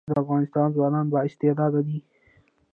د افغانستان ځوانان با استعداده دي